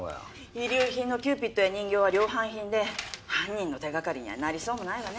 遺留品のキューピッドや人形は量販品で犯人の手掛かりにはなりそうもないわね。